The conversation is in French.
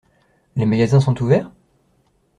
Les magasins sont ouverts ?